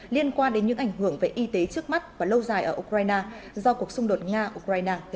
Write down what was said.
liên quan đến những ảnh hưởng về y tế trước mắt và lâu dài ở ukraine do cuộc xung đột nga ukraine gây